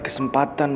gue jangan ditunggu